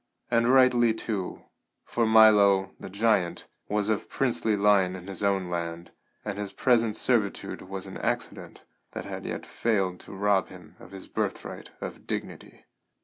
And rightly, too, for Milo, the giant, was of princely line in his own land, and his present servitude was an accident that had yet failed to rob him of his birthright of dignity.